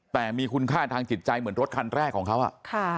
แต่มีคุณค่าทางจิตใจเหมือนรถคันแรกของเขาอ่ะค่ะ